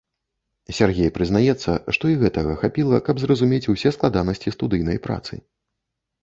Сяргей прызнаецца, што і гэтага хапіла, каб зразумець усе складанасці студыйнай працы.